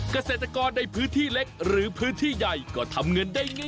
เกษตรกรในพื้นที่เล็กหรือพื้นที่ใหญ่ก็ทำเงินได้ง่าย